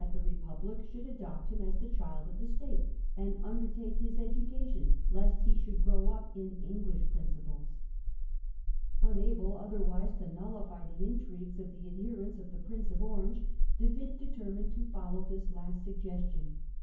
Desire for Peace, 137 public should adopt him as the child of the State, and undertake his education lest he should grow up in Eng lish principles. Unable otherwise to nullify the intrigues of the adhe rents of the Prince of Orange, De Witt determined to The Prince follow this last suggestion.